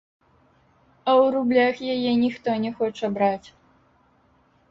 А ў рублях яе ніхто не хоча браць.